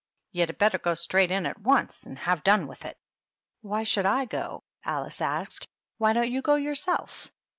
"You'd better go straight in at once and have done with it." "Why should I goT AUce asked. "Why don't you go yourself?"